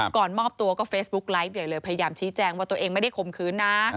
ก่อนมอบตัวก็เฟซบุ๊กไลฟ์ใหญ่เลยพยายามชี้แจงว่าตัวเองไม่ได้ข่มขืนนะ